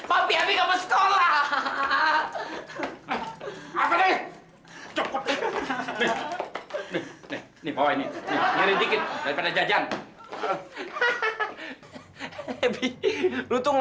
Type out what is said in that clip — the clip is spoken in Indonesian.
abi abi gak mau sekolah